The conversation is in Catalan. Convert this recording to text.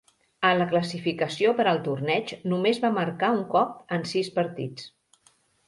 En la classificació per al torneig, només va marcar un cop en sis partits.